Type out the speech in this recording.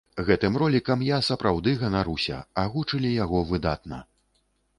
Гэтым ролікам я сапраўды ганаруся, агучылі яго выдатна!